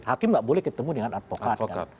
hakim enggak boleh ketemu dengan advokat